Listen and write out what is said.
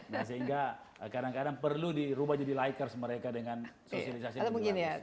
nah sehingga kadang kadang perlu dirubah jadi likers mereka dengan sosialisasi yang lebih bagus